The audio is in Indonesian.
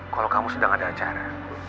kalau kamu sedang ada acara